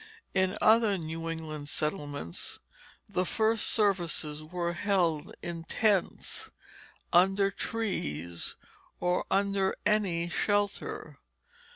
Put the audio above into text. In other New England settlements, the first services were held in tents, under trees, or under any shelter.